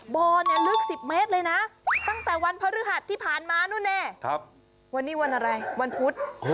บ่อเนี่ยลึก๑๐เมตรเลยนะตั้งแต่วันพฤหัสที่ผ่านมานู่นแน่วันนี้วันอะไรวันพุธ